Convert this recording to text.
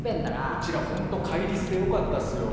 うちらほんと飼いリスでよかったっすよ。